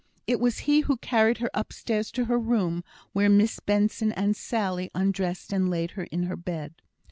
It was he who carried her upstairs to her room, where Miss Benson and Sally undressed and laid her in her bed.